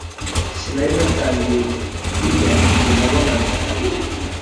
Sinari natangiye kurya igihe nabonaga arira.